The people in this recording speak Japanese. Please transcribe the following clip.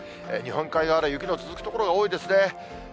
日本海側で雪の続く所が多いですね。